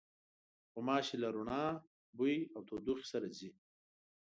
غوماشې له رڼا، بوی او تودوخې سره ځي.